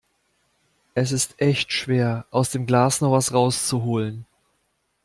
Es ist echt schwer aus dem Glas noch was rauszuholen